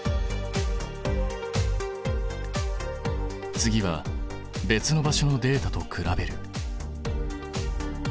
次は別の場所のデータと比べる。